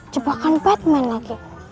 jebakan batman lagi